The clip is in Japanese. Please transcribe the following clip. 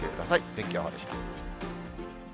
天気予報でした。